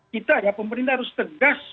kita pemerintah harus tegas